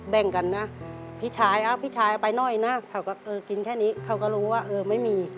แบ่งกันนะพี่ชายเอาพี่ชายไปหน่อยนะเขาก็เออกินแค่นี้เขาก็รู้ว่าเออไม่มี